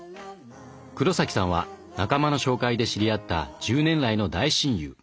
黒崎さんは仲間の紹介で知り合った１０年来の大親友。